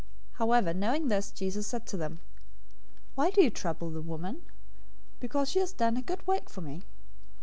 026:010 However, knowing this, Jesus said to them, "Why do you trouble the woman? Because she has done a good work for me.